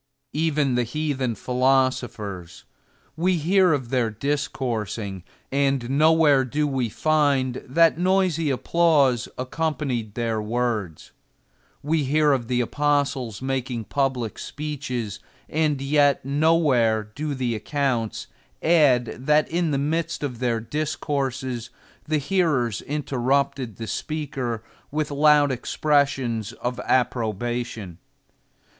Even the heathen philosophers—we hear of their discours[Pg 168]ing, and nowhere do we find that noisy applause accompanied their words; we hear of the apostles making public speeches, and yet nowhere do the accounts add that in the midst of their discourses the hearers interrupted the speaker with loud expressions of approbation.